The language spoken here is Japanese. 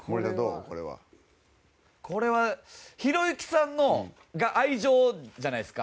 これは、ひろゆきさんが愛情じゃないですか。